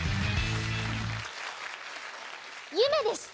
ゆめです。